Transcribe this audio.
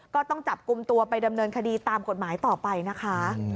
ก็ต้องจับกลุ่มตัวไปดำเนินคดีตามกฎหมายต่อไปนะคะ